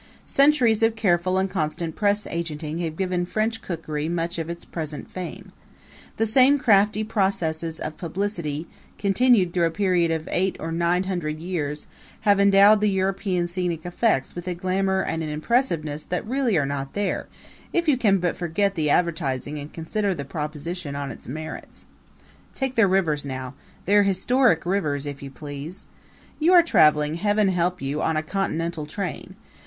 Centuries of careful and constant press agenting have given French cookery much of its present fame. The same crafty processes of publicity, continued through a period of eight or nine hundred years, have endowed the European scenic effects with a glamour and an impressiveness that really are not there, if you can but forget the advertising and consider the proposition on its merits. Take their rivers now their historic rivers, if you please. You are traveling heaven help you on a Continental train.